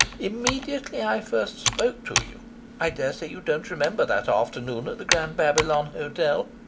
Immediately I first spoke to you I daresay you don't remember that afternoon at the Grand Babylon Hotel!